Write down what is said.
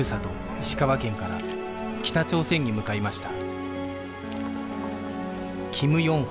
石川県から北朝鮮に向かいました